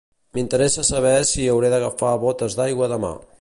M'interessa saber si hauré d'agafar botes d'aigua demà.